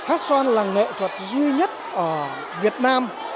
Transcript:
hát xoan là nghệ thuật duy nhất ở việt nam